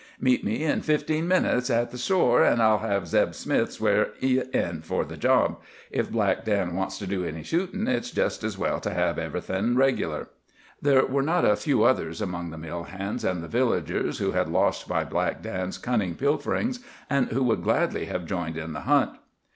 Meet me in fifteen minutes at the store an' I'll hev Zeb Smith swear ye in for the job. If Black Dan wants to do any shootin', it's jest as well to hev everythin' regular." There were not a few others among the mill hands and the villagers who had lost by Black Dan's cunning pilferings, and who would gladly have joined in the hunt.